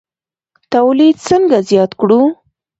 تولید څنګه زیات کړو؟